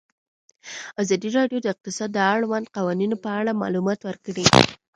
ازادي راډیو د اقتصاد د اړونده قوانینو په اړه معلومات ورکړي.